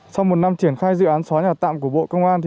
sau một năm triển khai dự án xóa nhà tạm của bộ công an